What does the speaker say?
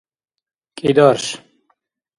кӀидарш